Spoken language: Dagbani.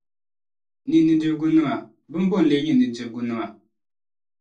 Ni nudirgunima, bimbo n-leei nyɛ nudirgunima?